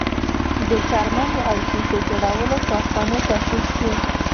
د څرمنې او ښیښو جوړولو کارخانې تاسیس شوې.